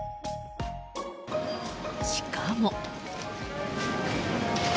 しかも。